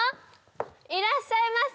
いらっしゃいませ！